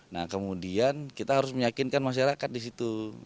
nah kemudian kita harus meyakinkan masyarakat di situ